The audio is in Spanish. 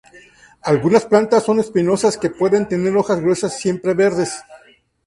Algunas plantas son espinosas, que pueden tener hojas gruesas y siempre verdes.